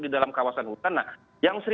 di dalam kawasan hutan nah yang